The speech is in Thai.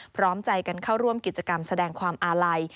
พร้อมใจกันเข้าร่วมกิจกรรมแสดงความอาลัย